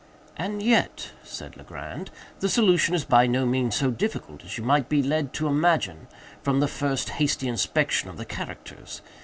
"And yet," said Legrand, "the solution is by no means so difficult as you might be lead to imagine from the first hasty inspection of the characters.